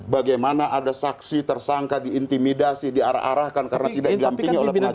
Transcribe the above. bagaimana ada saksi tersangka diintimidasi diarah arahkan karena tidak didampingi oleh pengadilan